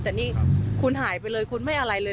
แต่นี่คุณหายไปเลยคุณไม่อะไรเลย